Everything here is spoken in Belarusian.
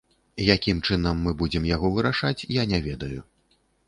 Якім чынам мы будзем яго вырашаць, я не ведаю.